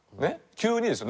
急にですよ。